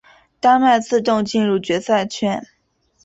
丹麦自动进入决赛圈。